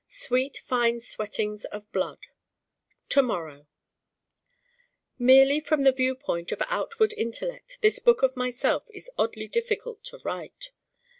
Sweet fine sweatings of blood To morrow Merely from the view point of outward intellect this book of myself is oddly difficult to write.